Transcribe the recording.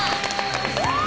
うわ！